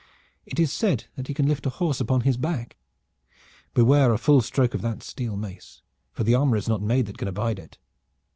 "It is said that he can lift a horse upon his back. Beware a full stroke of that steel mace, for the armor is not made that can abide it.